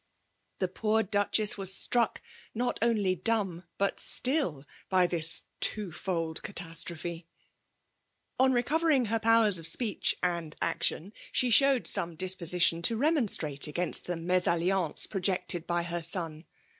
The poov DuchesB was stracfc, not oaly dumb bat still, by this twofold catastrophe ! On reeovering her powers of speeeh and actieiiy she showed some disposition to r^non^ strate against the mesalliance projected by her sen.